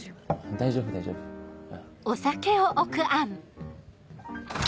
大丈夫大丈夫え？